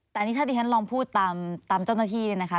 แต่อันนี้ถ้าที่ฉันลองพูดตามเจ้าหน้าที่เนี่ยนะคะ